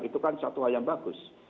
itu kan satu hal yang bagus